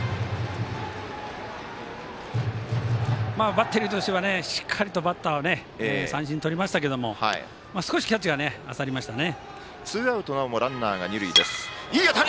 バッテリーとしてはしっかりとバッター三振とりましたけど少しキャッチャーが焦りましたね。